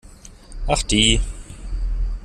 Ach die!